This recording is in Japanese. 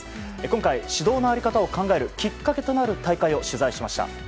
今回、指導の在り方を考えるきっかけとなる大会を取材しました。